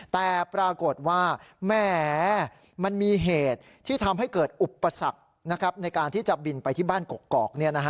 แต่ปรากฏว่าแหมมันมีเหตุที่ทำให้เกิดอุปสรรคในการที่จะบินไปที่บ้านกอก